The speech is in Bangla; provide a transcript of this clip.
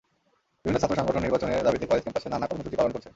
বিভিন্ন ছাত্র সংগঠন নির্বাচনের দাবিতে কলেজ ক্যাম্পাসে নানা কর্মসূচি পালন করছে।